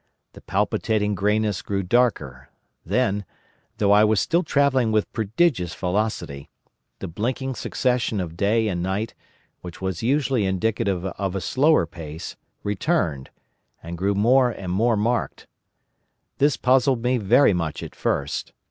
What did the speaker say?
The palpitating greyness grew darker; then—though I was still travelling with prodigious velocity—the blinking succession of day and night, which was usually indicative of a slower pace, returned, and grew more and more marked. This puzzled me very much at first.